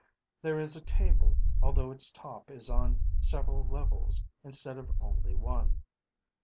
There is a table, although its top is on several levels instead of only one.